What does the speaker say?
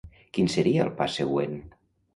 Quin seria el pas següent?